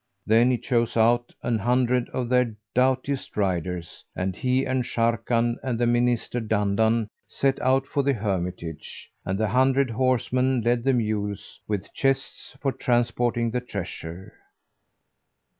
Then he chose out an hundred of the doughtiest riders, and he and Sharrkan and the Minister Dandan set out for the hermitage, and the hundred horsemen led the mules with chests for transporting the treasure.